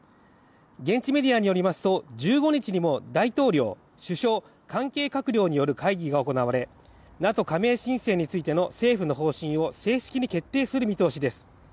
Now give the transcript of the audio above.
現地メディアによりますと１５日にも大統領、首相、関係閣僚による会議が行われＮＡＴＯ加盟申請についての政府の方針を正式に決定する見通しです。